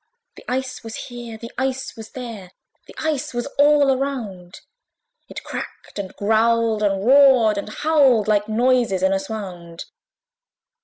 The ice was here, the ice was there, The ice was all around: It cracked and growled, and roared and howled, Like noises in a swound!